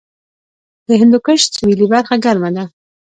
د هندوکش سویلي برخه ګرمه ده